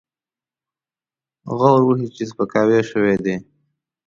غور وشي چې سپکاوی شوی دی.